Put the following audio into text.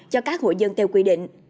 cho các hội dân theo quy định